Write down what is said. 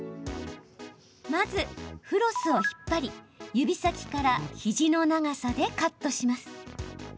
まず、フロスを引っ張り指先から肘の長さでカットします。